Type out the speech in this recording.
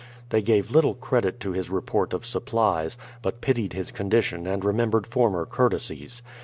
They gave little credit to his report of supplies, but pitied his condition and remembered former courtesies.